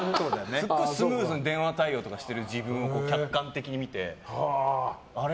すごいスムーズに電話対応している自分を客観的に見て、あれ？